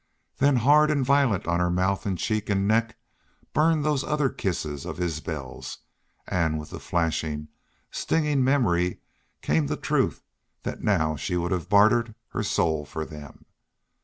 Then hard and violent on her mouth and cheek and neck burned those other kisses of Isbel's, and with the flashing, stinging memory came the truth that now she would have bartered her soul for them.